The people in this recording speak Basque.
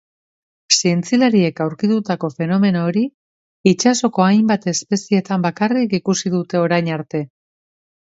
Zientzialariek aurkitutako fenomeno hori itsasoko hainbat espezietan bakarrik ikusi dute orain arte.